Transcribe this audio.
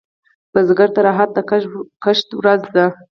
بزګر ته راحت د کښت ورځ ده